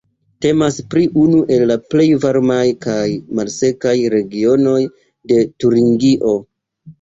Temas pri unu el la plej varmaj kaj malsekaj regionoj de Turingio.